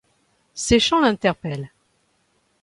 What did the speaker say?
Ces chants l'interpellent.